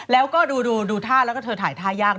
แล้วก็ดูท่าแล้วก็เธอถ่ายท่ายาก